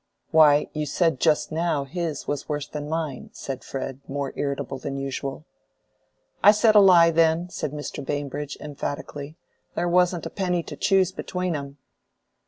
"Why, you said just now his was worse than mine," said Fred, more irritable than usual. "I said a lie, then," said Mr. Bambridge, emphatically. "There wasn't a penny to choose between 'em."